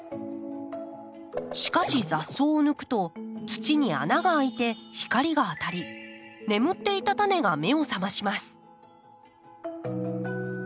しかし雑草を抜くと土に穴が開いて光が当たり眠っていたタネが目を覚まします。